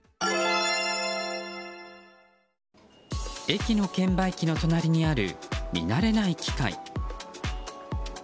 駅の券売機の隣にある見慣れない機械。